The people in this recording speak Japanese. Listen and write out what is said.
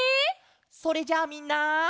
それじゃあみんな。